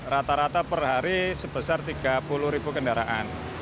rata rata per hari sebesar tiga puluh ribu kendaraan